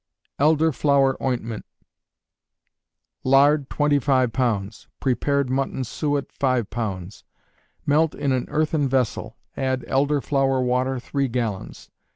Elder Flower Ointment. Lard, twenty five pounds; prepared mutton suet, five pounds; melt in an earthen vessel; add elder flower water, three gallons.